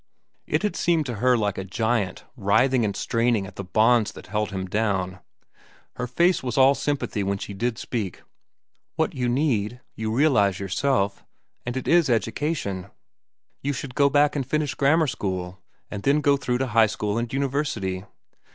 It had seemed to her like a giant writhing and straining at the bonds that held him down. Her face was all sympathy when she did speak. "What you need, you realize yourself, and it is education. You should go back and finish grammar school, and then go through to high school and university."